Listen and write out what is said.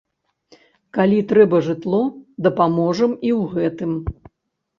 Калі трэба жытло, дапаможам і ў гэтым.